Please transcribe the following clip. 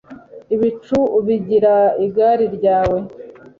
ibicu ubigira igari ryawe